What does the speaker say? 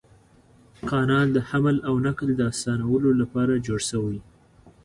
کانال د حمل او نقل د اسانولو لپاره جوړ شوی.